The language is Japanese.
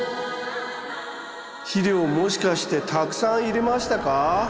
肥料もしかしてたくさん入れましたか？